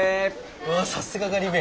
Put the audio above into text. うわさすがガリ勉。